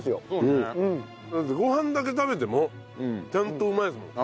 ご飯だけ食べてもちゃんとうまいですもん。